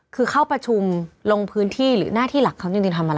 คือเข้าประชุมลงพื้นที่หรือหน้าที่หลักเขาจริงทำอะไร